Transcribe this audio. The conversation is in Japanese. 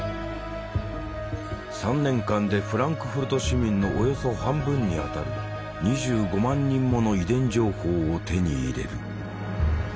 ３年間でフランクフルト市民のおよそ半分にあたる２５万人もの遺伝情報を手に入れる。